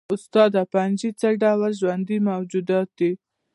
استاده فنجي څه ډول ژوندي موجودات دي